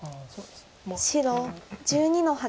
白１２の八。